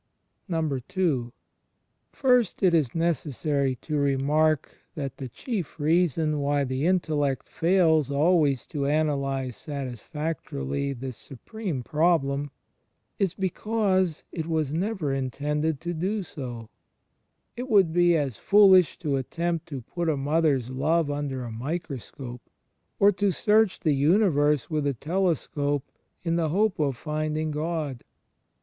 n. First, it is necessary to remark that the chief reason why the intellect fails always to analyse satis factorily this supreme problem, is because it was never ^ Ps. xzxvi : 35. I04 THE FRIENDSHIP OP CHRIST intended to do so. It would be as foolish to attempt to put a mother's love ujider a microscope, or to "search the universe with a telescope'' in the hope of finding God.